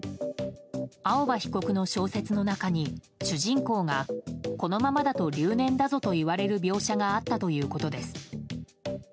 青葉被告の小説の中に、主人公が「このままだと留年だぞ」と言われる描写があったということです。